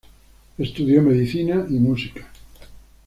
Estudió medicina y música.